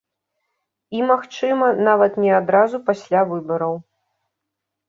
І, магчыма, нават не адразу пасля выбараў.